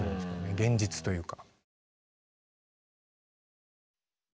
現実というか。